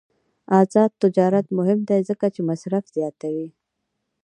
آزاد تجارت مهم دی ځکه چې مصرف زیاتوي.